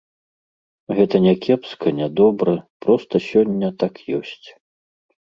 Гэта не кепска, не добра, проста сёння так ёсць.